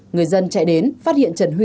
người dân chạy đến phát hiện trần huy